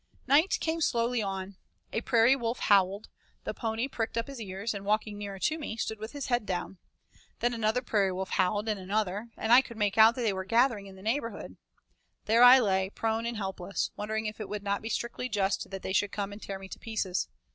Night came slowly on. A prairie wolf howled, the pony pricked up his ears and, walking nearer to me, stood with his head down. Then another prairie wolf howled and another, and I could make out that they were gathering in the neighborhood. There I lay prone and helpless, wondering if it would not be strictly just that they should come and tear me to pieces.